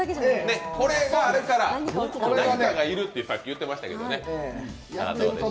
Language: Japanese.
これがあるから、何かが要るってさっき言ってましたけどね。